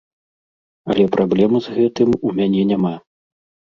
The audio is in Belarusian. Але праблемы з гэтым у мяне няма.